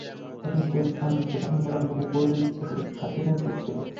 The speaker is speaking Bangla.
তিনি সুলতান প্রথম মুরাদ ও গুলচিচেক খাতুনের পুত্র।